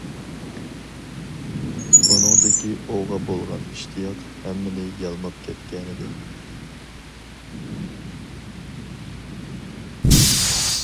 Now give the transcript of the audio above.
ئۇنىڭدىكى ئوۋغا بولغان ئىشتىياق ھەممىنى يالماپ كەتكەنىدى.